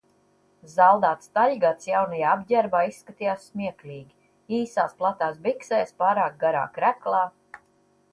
Zaldāts Taļgats jaunajā apģērbā izskatījās smieklīgi: īsās, platās biksēs, pārāk garā kreklā.